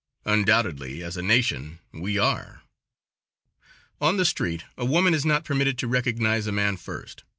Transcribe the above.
Undoubtedly, as a nation, we are. On the street a woman is not permitted to recognize a man first.